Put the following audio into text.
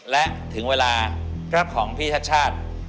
และถึงเวลาของพี่ชัด